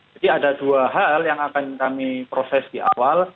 jadi ada dua hal yang akan kami proses di awal